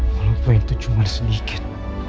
walaupun itu cuma sedikit